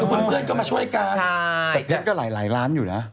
คือเพื่อนก็มาช่วยกันแต่ฉันก็หลายล้านอยู่นะ